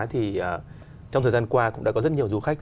thì trong thời gian qua cũng đã có rất nhiều du khách